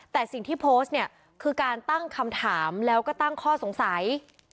แต่สิ่งที่โพสต์เนี่ยคือการตั้งคำถามแล้วก็ตั้งข้อสงสัย